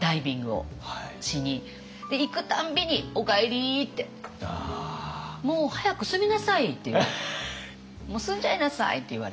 行く度に「おかえり」って「もう早く住みなさい」って「もう住んじゃいなさい」って言われてて。